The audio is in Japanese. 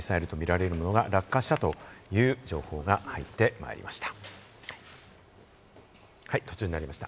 そのＥＥＺの外に北朝鮮のミサイルとみられるものが落下したという情報が入ってまいりました。